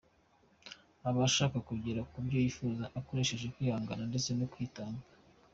Aba ashaka kugera ku byo yifuza akoresheje kwihangana ndetse no kwitanga.